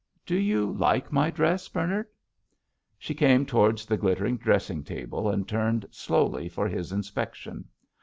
"Do you like my dress, Bernard?" She came towards the glittering dressing table and turned slowly for his inspection.